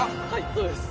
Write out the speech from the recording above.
そうです。